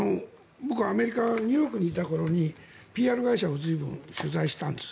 僕アメリカ・ニューヨークにいた頃にＰＲ会社を取材したんです。